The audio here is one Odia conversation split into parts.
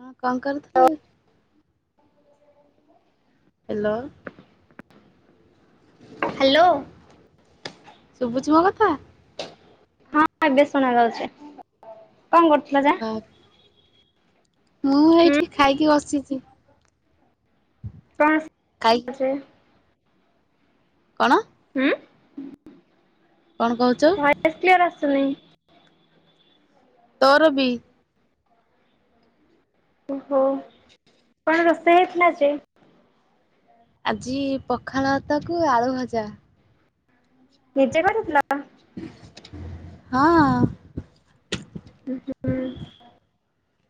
ହଁ କଣ କରୁଥୁଲୁ? [unintelligible] ହ୍ୟାଲୋ। ହ୍ୟାଲୋ। ଶୁଭୁଚି ମୋ କଥା? ହଁ ଏବେ ଶୁଣାଯାଉଛି। କଣ କରୁଥିଲ ଯେ? ଓହୋ ମୁଁ ହୁଁ ଏଇଠି ଖାଇକି ବସିଚି। କଣ ଖାଇକି [unintelligible] କଣ? ହୁଁ। କଣ କହୁଚୁ? ଏ କ୍ଲିୟର ଆସୁନି। ତୋର ବି। ଓହୋ କଣ ରୋଷେଇ ହୋଇଥିଲା ଆଜି? ଆଜି ପଖାଳ ଭାତ କୁ ଆଳୁ ଭଜା। ନିଜେ କରିଥିଲ? ହଁ। [unintelligible]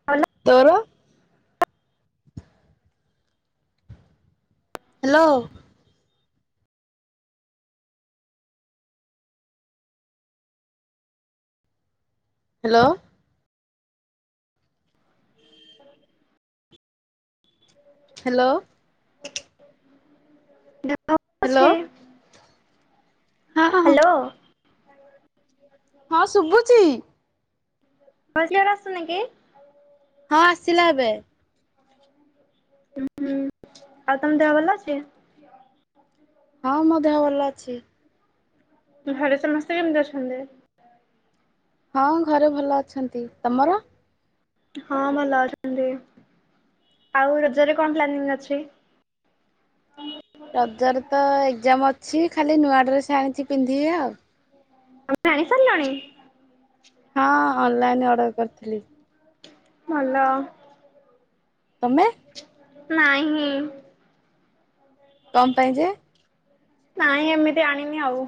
ଭଲ ତୋର? ହ୍ୟାଲୋ। ହ୍ୟାଲୋ। ହ୍ୟାଲୋ ଦେହ ଭଲ ହ୍ୟାଲୋ। ଅଛି? ହଁ। ହଁ ହ୍ୟାଲୋ। ହଁ ଶୁଭୁଚି। ଭଏସେ କ୍ଳିଅର ଆସୁନେଇକି? ହଁ ଆସିଲା ଏବେ। ଉଁ ଉଁ ଆଉ ତମ ଦେହ ଭଲ ଅଛି? ହଁ ମୋ ଦେହ ଭଲ ଅଛି। ଘରେ ସମସ୍ତେ କେମତି ଅଛନ୍ତି? ହଁ ଘରେ ଭଲ ଅଛନ୍ତି। ତମର? ହଁ ଭଲ ଅଛନ୍ତି। ଆଉ ରଜରେ କଣ ପ୍ଲାନିଂ ଅଛି? ରଜରେ ତ ଏକ୍ଜାମ୍ ଅଛି ଖାଲି ନୂଆ ଡ୍ରେସ୍ ଆଣିଚି ପିନ୍ଧିବି ଆଉ। ତମେ ଆଣି ସାରିଲଣି? ହଁ ଅନଲାଇନ୍ ଅର୍ଡ଼ର କରିଥିଲି। ଭଲ। ତମେ? ନାହିଁ। କଣ ପାଇଁ ଯେ? ନାଇଁ ଏମିତି ଆଣିନି ଆଉ।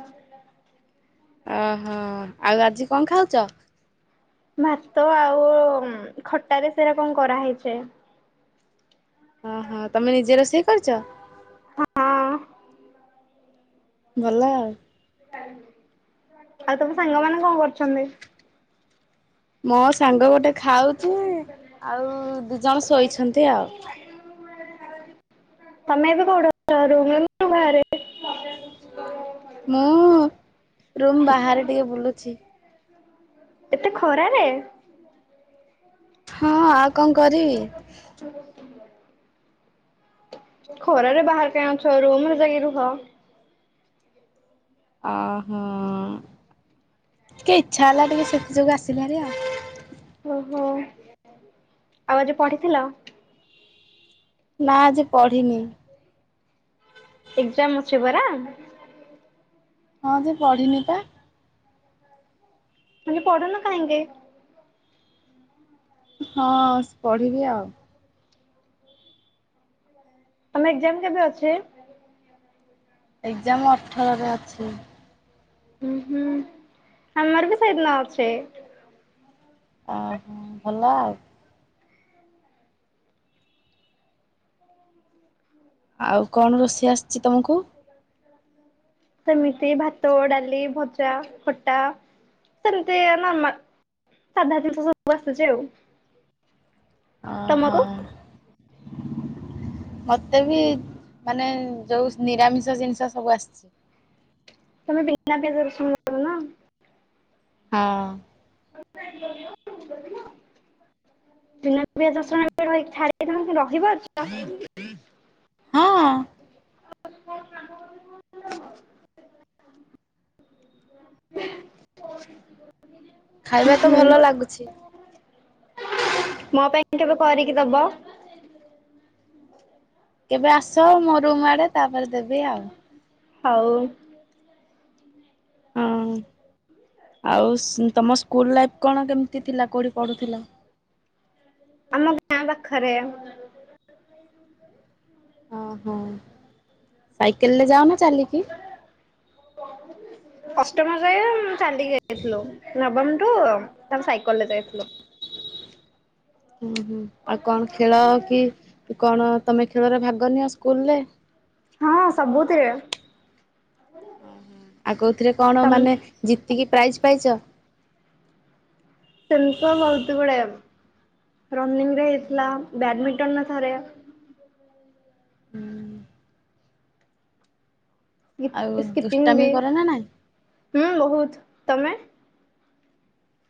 ଅହ ଆଉ ଆଜି କଣ ଖାଉଚ? ଭାତ ଆଉ ଉଁ ଖଟା ରେ ସେରା କଣ କରାହେଇଚି। ଅହ ତମେ ନିଜେ ରୋଷେଇ କରିଚ? ହଁ ଭଲ ଆଉ। ଆଉ ତମ ସାଙ୍ଗ ମାନେ କଣ କରୁଛନ୍ତି? ମୋ ସାଙ୍ଗ ଗୋଟେ ଖାଉଚି ଆଉ ଦି ଜଣ ଶୋଇଛନ୍ତି ଆଉ। ତମେ ଏବେ କୋଉଠି ଅଛ ରୁମ୍ ରେ ନା ବାହାରେ? [inaudible] ମୁଁ ରୁମ୍ ବାହାରେ ଟିକେ ବୁଲୁଚି। ଏତେ ଖରାରେ! ହଁ ଆଉ କଣ କରିବି। ଖରାରେ ବାହାରେ କାଇଁ ଅଛ ରୁମରେ ଯାଇକି ରୁହ। ଅହଁ ଟିକେ ଇଚ୍ଛା ହେଲା ଟିକେ ସେଥି ଯୋଗୁ ଆସିଲିଭାରି ଆଉ। ଓ ହଉ ଆଉ ଆଜି ପଢିଥିଲ? ନା ଆଜି ପଢିନି। ଏକ୍ଜାମ୍ ଅଛି ପରା? ହଁ ଯେ ପଢିନି ପା। ତାହେଲେ ପଢୁନୁ କାଇଁକି? ହଁ ପଢିବି ଆଉ। ତମେ ଏକ୍ଜାମ୍ କେବେ ଅଛି? ଏକ୍ଜାମ୍ ଅଠରରେ ଅଛି। ହୁଁ ହୁଁ ଆମର ବି ସେଇଦିନ ଅଛି। ଅହ ଭଲ ଆଉ। ହଁ ଆଉ କଣ ରୋଷେଇ ଆସିଚି ତମୁକୁ? ସେମିତି ଭାତ, ଡାଲି, ଭଜା, ଖଟା। ସେମତି ନର୍ମା ସାଧା ଜିନିଷ ସବୁ ଆସୁଚି ଆଉ। ଅହ। ତମକୁ? [unintelligible] ମତେ ବି ମାନେ ଯୋଉ ନିରାମିଷ ଜିନିଷ ସବୁ ଆସିଚି। ତମେ ବିନା ପିଆଜ ରସୁଣ କର ନା? ହଁ। [unintelligible] [unintelligible] ଛାଡ଼ିକି ତମେ ରହିପାରୁଚ? ହଁ। ଖାଇବାତ ହୁଁ ଭଲ ଲାଗୁଛି। ମୋ ପାଇଁ କେବେ କରିକି ଦବ? କେବେ ଆସ ମୋରୁମ୍ ଆଡ଼େ ତାପରେ ଦେବି ଆଉ। ହଉ। ହଁ ଆଉ ତମ ସ୍କୁଲ୍ ଲାଇଫ୍ କଣ କେମିତି ଥିଲା କେଉଠି ପଢ଼ୁଥିଲ? ଆମ ଗାଁ ପାଖରେ। ଓହୋ ସାଇକେଲରେ ଯାଅନା ଚାଲିକି? ଅଷ୍ଟମ ଯାଏ ଚାଲିକି ଯାଇଥିଲୁ ନବମଠୁ ତାପରେ ସାଇକେଲରେ ଯାଇଥିଲୁ। ହୁଁ ହୁଁ ଆଉ କଣ ଖେଳ କି କଣ ତମେ ଖେଳରେ ଭାଗ ନିଅ ସ୍କୁଲରେ? ହଁ ସବୁଥିରେ ଆଉ କେଉଥିରେ କଣ ତମ ମାନେ ଜିତିକି ପ୍ରାଇଜ୍ ପାଇଚ? ସେମିତିତ ବହୁତ୍ ଗୁଡ଼େ ରନିଂରେ ହେଇଥିଲା ବ୍ୟାଡମିଣ୍ଟନ ଥରେ ହୁଁ ଆଉ ଦୁଷ୍ଟାମି ସ୍କିପିଙ୍ଗବି କର ନା ନାଇଁ? ହଁ ବହୁତ୍ ତମେ?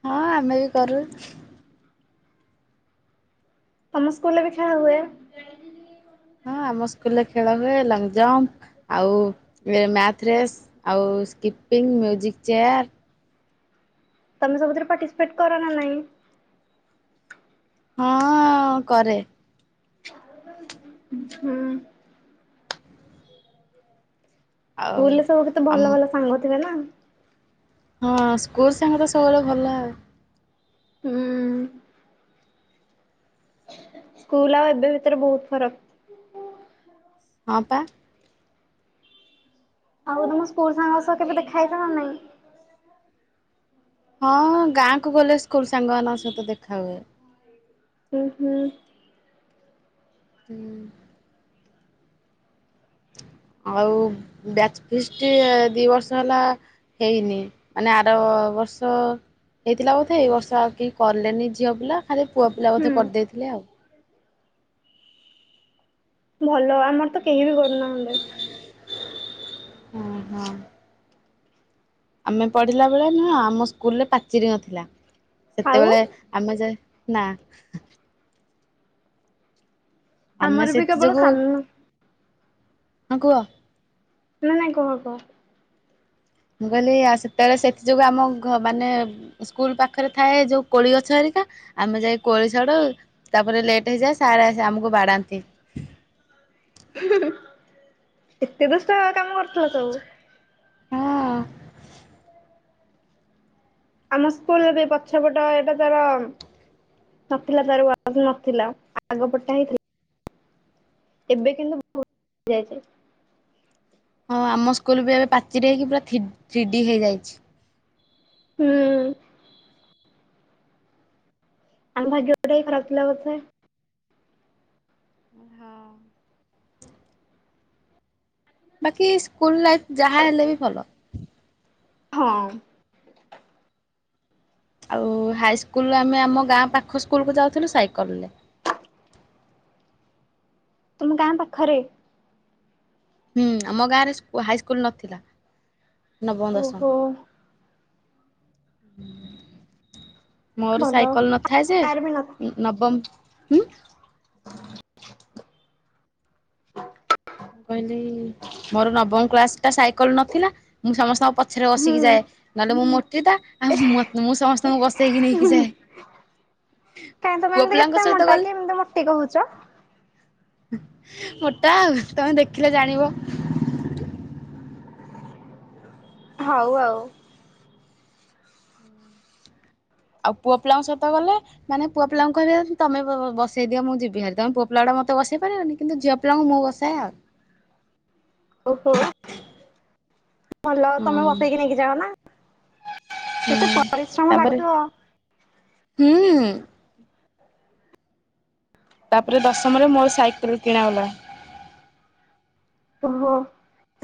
ହଁ ଆମେବି କରୁ। ତମ ସ୍କୁଲରେବି ଖେଳା ହୁଏ? ହଁ ଆମ ସ୍କୁଲରେ ଖେଳ ହୁଏ ଲଙ୍ଗଜମ୍ପ ଆଉ ମ୍ୟାଥରେସ୍ ଆଉ ସ୍କିପିଙ୍ଗ ମ୍ୟୁଜିକ୍ ଚେୟାର୍ ତମେ ସବୁଥିରେ ପାର୍ଟିସିପେଟ କରନା ନାହିଁ? ହଁ କରେ। ହୁଁ। ଆଉ ସ୍କୁଲରେ ସବୁ କେତେ ଆମ ଭଲ ଭଲ ସାଙ୍ଗ ଥିବେନା? ହଁ ସ୍କୁଲ ସାଙ୍ଗତ ସବୁବେଳେ ଭଲ ଆଉ। ହୁଁ। ସ୍କୁଲ୍ ଆଉ ଏବେ ଭିତରେ ବହୁତ୍ ଫରକ୍। ହଁ ପା। ଆଉ ତମ ସ୍କୁଲ ସାଙ୍ଗ ସହ କେବେ ଦେଖା ହେଇଚନା ନାଇଁ? ହଁ ଗାଁକୁ ଗଲେ ସ୍କୁଲ୍ ସାଙ୍ଗମାନଙ୍କ ସହିତ ଦେଖା ହୁଏ। ହୁଁ ହୁଁ। ହୁଁ। ଆଉ ବ୍ୟାଚ୍ ଫିସ୍ଟି ଦି ବର୍ଷ ହେଲା ହେଇନି ମାନେ ଆର ବର୍ଷ ହେଇଥିଲା ବୋଧେ ଏଇ ବର୍ଷ ଆଉ କେହି କଲେନି ଝିଅ ପିଲା ଖାଲି ପୁଅ ପିଲା ବୋଧେ ହୁଁ କରିଦେଇଥିଲେ ଆଉ। ଭଲ ଆମରତ କେହିବି କରୁନାହାନ୍ତି। ହଁ ହଁ। ଆମେ ପଢିଲା ବେଳେ ନୁହଁ ଆମ ସ୍କୁଲରେ ପାଚିରି ନଥିଲା ଆଉ ସେତେବେଳେ ଆମେ ଯା ନାଁ। ଆମେ ଆମରବି ସେଥି କେବଳ ଯୋଗୁ ସାମ୍ନା ହଁ କୁହ। ନାଁ ନାଁ କୁହ କୁହ? ମୁଁ କହିଲି ଆଉ ସେତେବେଳେ ସେଥିଯୋଗୁଁ ଆମ ଘ ମାନେ ସ୍କୁଲ ପାଖରେ ଥାଏ ଯୋଉ କୋଳି ଗଛ ଆରିକା ଆମେ ଯାଇ କୋଳି ଛଡ଼ଉ। ତାପରେ ଲେଟ୍ ହେଇଯାଏ ସାର୍ ଆସି ଆମକୁ ବାଡ଼ାନ୍ତି। [inaudible] ଏତେ ଦୁଷ୍ଟ କାମ କରୁଥିଲ ସବୁ। ହଁ ଆମ ସ୍କୁଲର ବି ପଛ ପଟେ ଏଇଟା ତାର ନଥିଲା ତାର ନଥିଲା ଆଗ ପଟଟା ହେଇଥିଲା। ଏବେ କିନ୍ତୁ [unintelligible] ହେଇଛି। ହଁ ଆମ ସ୍କୁଲ ବି ଏବେ ପାଚିରି ହେଇକି ପୁରା ଥ୍ରୀ ଥ୍ରୀଡି ହେଇଯାଇଛି। ହୁଁ। ଆମ ଭାଗ୍ୟଟା ଖରାପ ଥିଲା ବୋଧେ। ହଁ। ବାକି ସ୍କୁଲ ଲାଇଫ ଯାହା ହେଲେ ବି ଭଲ। ହଁ। ଆଉ ହାଇସ୍କୁଲ ଆମେ ଆମ ଗାଁ ପାଖ ସ୍କୁଲକୁୁ ଯାଉଥିଲୁ ସାଇକେଲ ରେ। ତୁମ ଗାଁ ପାଖରେ। ହୁଁ ଆମ ଗାଁରେ ହାଇସ୍କୁଲ ନଥିଲା ନବ ଓହୋ ଦଶମ ମୋର ଭଲ ସାଇକେଲ ନଥାଏ ଯେ ଆର ବି ନ ନବମ ହୁଁ। ମୁଁ କହିଲି ମୋର ନବମ କ୍ଳାସ ଟା ସାଇକେଲ ନଥିଲା ମୁଁ ସମସ୍ତଙ୍କ ପଛରେ ହୁଁ ବସିକି ଯାଏ ନହେଲେ ମୁଁ ମୁର୍ତ୍ତିଟା ଆଉ ମୁଁ ସମସ୍ତଙ୍କୁ ବସେଇକି ନେଇକି ଯାଏ କାହିଁତ ତମେ ପୁଅ ଏମିତି ପିଲାଙ୍କ କେତେ ସହିତ ମୋଟା ଗଲେ କି ଏମିତି ମୋଟି କହୁଛ ମୋଟା ଆଉ ତମେ ଦେଖିଲେ ଜାଣିବ। ହଉ ଆଉ। ଆଉ ପୁଅ ପିଲାଙ୍କ ସହିତ ଗଲେ? ମାନେ ପୁଅପିଲାଙ୍କୁହିବା ତମେ ବସେଇ ଦିଅ ମୁଁ ଯିବିହାରି ତମେ ପୁଅ ପିଲାଟା ମତେ ବସେଇ ପାରିବନି କିନ୍ତ ଝିଅ ପଲଙ୍ଗ ମୁଁ ବସାଇ ଆଉ। ଓହୋ ଭଲଲ ତମେ ବସେଇକି ନେଇକି ଯାଅ ନା। କେତେ ହଁ ପରିଶ୍ରମ ତାପରେ ଲାଗୁଥିବ। ହୁଁ। ତାପରେ ଦଶମରେ ମୋର ସାଇକେଲରେ କିଣା ହେଲା। ଓହୋ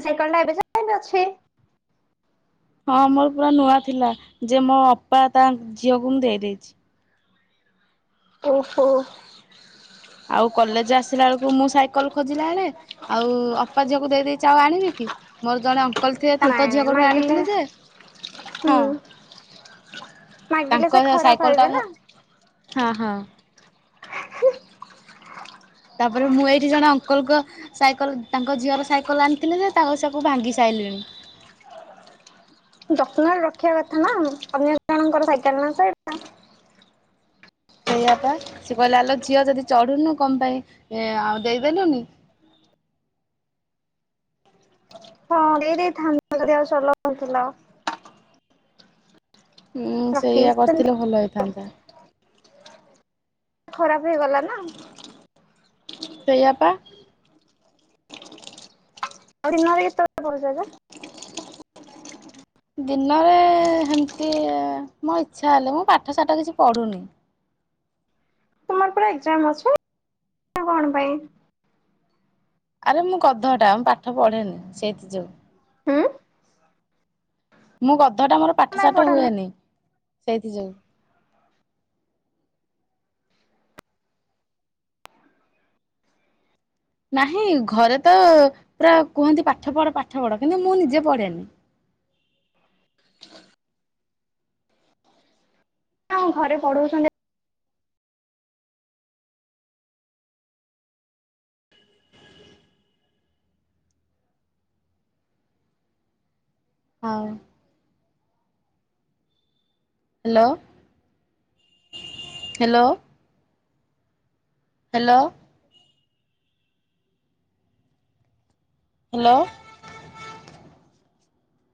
ସାଇକେଲ ଟା ଏବେ ଯାଇ ଅଛ। ହଁ ମୋର ପୁରା ନୂଆ ଥିଲା ଯେ ମୋ ଅପା ତା ଝିଅକୁ ମୁଁ ଦେଇଦେଇଛି। ଓହୋ। ଆଉ କଲେଜ ଆସିଲା ବେଳକୁ ମୁଁ ସାଇକେଲ ଖୋଜିଲା ବେଳେ ଆଉ ଅପା ଝିଅକୁ ଦେଇ ଦେଇେଚ ଆଉ ଆଣିବି କି? ମୋର ଜଣେ ଅଙ୍କଲ ଥିଲେ ତାଙ୍କ ନାଇଁ ଝିଅ ନାଇଁ କଉଠୁ ମାଗିଲେ ଆଣିଥିଲେ ଯେ ହୁଁ ହଁ ମାଗିଲେ ତାଙ୍କ ସେ ଖରାପ ସାଇକେଲ ଟା ହେବେ ମୁଁ ନା। ହଁ ହଁ। ତାପରେ ମୁଁ ଏଇଠି ଜଣେ ଅଙ୍କଲଙ୍କ ସାଇକେଲ ତାଙ୍କ ଝିଅର ସାଇକେଲ ଆଣିଥିଲେ ଯେ ତାଙ୍କ ସାକୁ ଭାଙ୍ଗି ସାଇଲିଣି। ଯତ୍ନରେ ରଖିବା କଥା ନା ଅନ୍ୟ ଜଣଙ୍କର ସାଇକେଲ ନା ସେ ସେଇଆ ପା ସିଏ କହିଲେ ଆଲୋ ଝିଅ ଯଦି ଚଢୁନୁ କଣ ପାଇଁ ଆଉ ଦେଇଦେଲୁନି। ହଁ ଦେଇ ଦେଇଥାନ୍ତୁ ଜଦି ଆଉ [unintelligible] ଏଇରି ଥନ୍ା ହୁଁ ରଖିକି ସେଇୟା ସେମିତି କରିଥିଲେ ଭଲ ହେଇଥାନ୍ତା। [inaudible] ଖରାପ ହେଇଗଲା ନା। ସେଇଆ ପା। [unintelligible] ଦିନରେ ହେମିତି ମୋ ଇଚ୍ଛା ହେଲେ ମୁଁ ପାଠ ସାଠ କିଛି ପଢୁନି। ତୁମର ପା ଏକ୍ସଜାମ ଅଛି କଣ ପାଇଁ? ଆରେ ମୁଁ ଗଧଟା ମୁଁ ପାଠ ପଢେନି ସେଇଥି ଯୋଉ। ଉଁ ମୁଁ ଗଧ ଟା ମୋର ପାଠ ତମେ ସାଠ ପଢନି ହୁଏନି ସେଇଥି ଯୋଗୁ। ନାହିଁ ଘରେ ତ ପୁରା କୁହନ୍ତି ପାଠ ପଢ ପାଠ ପଢ କିନ୍ତୁ ମୁଁ ନିଜେ ପଢେନି। [unintelligible] ହଁ ଘରେ ପଢଉଛନ୍ତି ହଉ। Hello hello hello. ହ୍ୟାଲୋ।